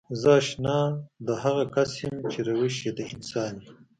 زه اشنا د هغه کس يم چې روش يې د انسان وي.